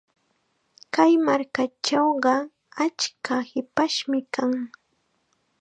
Kay markachawqa achka hipashmi kan.